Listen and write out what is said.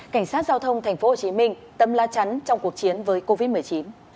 cảnh sát giao thông tp hcm tâm la chắn trong cuộc chiến với covid một mươi chín